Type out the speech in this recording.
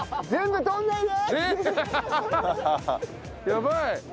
やばい！